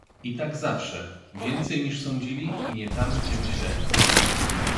I tak zawsze; więcej, niż sądzili, i nie tam, gdzie myśleli.